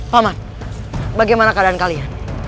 paman bagaimana keadaan kalian